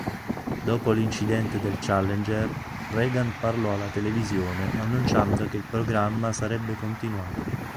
Dopo l'incidente del Challenger, Reagan parlò alla televisione annunciando che il programma sarebbe continuato.